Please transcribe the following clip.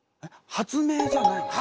発明じゃない。